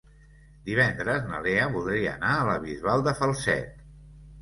Divendres na Lea voldria anar a la Bisbal de Falset.